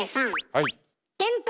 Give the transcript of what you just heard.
はい。